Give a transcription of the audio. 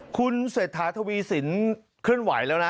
คุณเศรษฐาทวีสินขึ้นไหวแล้วนะ